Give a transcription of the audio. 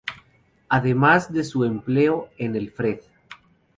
Además de su empleo en el Fred.